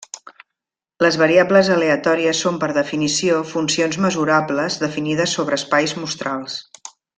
Les variables aleatòries són per definició funcions mesurables definides sobre espais mostrals.